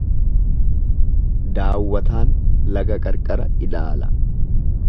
Daawwataan laga qarqara ilaala.